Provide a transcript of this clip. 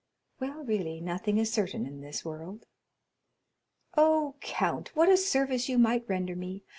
"Well, really, nothing is certain in this world." "Oh, count, what a service you might render me!